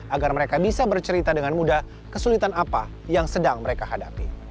agar mereka bisa bercerita dengan mudah kesulitan apa yang sedang mereka hadapi